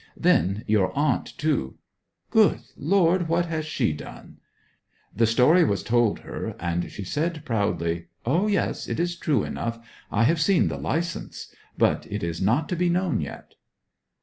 Then your aunt, too ' 'Good Lord! what has she done?' The story was, told her, and she said proudly, "O yes, it is true enough. I have seen the licence. But it is not to be known yet."'